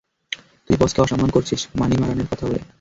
তুই বসকে অসম্মান করছিস, মানিমারানের কথা বলে।